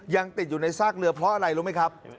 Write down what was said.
ยังติดอยู่ในซากเรือเพราะอะไรรู้ไหมครับ